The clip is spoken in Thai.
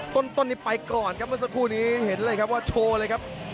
ต้นนี้ไปก่อนครับเมื่อสักครู่นี้เห็นเลยครับว่าโชว์เลยครับ